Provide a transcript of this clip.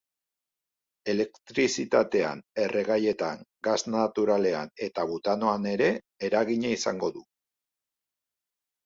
Elektrizitatean, erregaietan, gas naturalean eta butanoan ere eragina izango du.